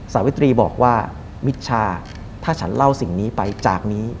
สาวิตรีบอกว่ามิชชาถ้าฉันเล่าสิ่งนี้ไปจากนี้